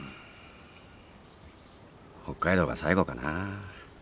北海道が最後かなぁ。